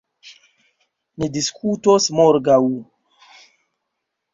Ni diskutos morgaŭ.